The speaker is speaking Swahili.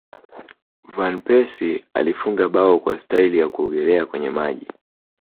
van persie alifunga bao kwa staili ya kuogelea kwenye maji